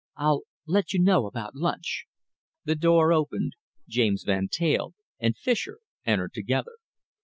I'll let you know about lunch." The door opened. James Van Teyl and Fischer entered together.